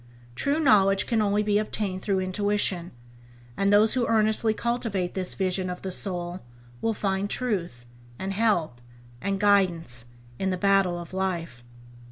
True knowledge can only be obtained through intuition, and those who earnestly cultivate this vision of the soul will find truth, and help, and guidance, in the battle of life.